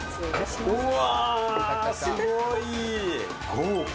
豪華！